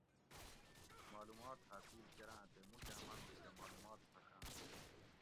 مالومات حاصِل کۤراں تے مُکاۤں ماۤنُوڄ کۤہ مالومات پھڛاں